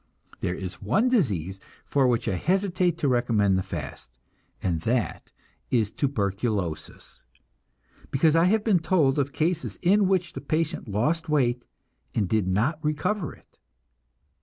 There is one disease for which I hesitate to recommend the fast, and that is tuberculosis, because I have been told of cases in which the patient lost weight and did not recover it.